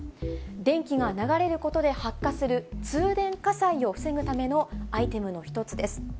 電気が流れることで発火する通電火災を防ぐためのアイテムの１つです。